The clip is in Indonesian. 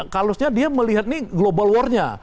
kalau dia melihat ini global war nya